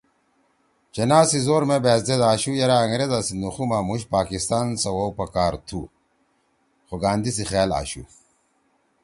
جناح سی زور مے بأت زید آشُو یرأ أنگریزا سی نخُو ما مُوش پاکستان سی سوَؤ پکار تُھو خو گاندھی سی خیال آشُو کہ أنگریزا سی بیُو ما بعد متحدہ ہندوستان سی تقسیم سی کیا خلگا سی رائے (Plebiscite) گھیِنُو پکار چھی